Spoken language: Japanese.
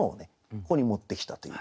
ここに持ってきたという句で。